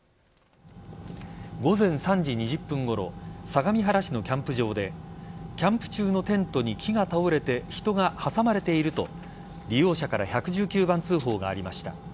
午前３時２０分ごろ相模原市のキャンプ場でキャンプ中のテントに木が倒れて人が挟まれていると利用者から１１９番通報がありました。